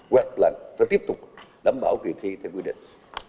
quẹt lạnh và tiếp tục đảm bảo kỳ thi theo quy định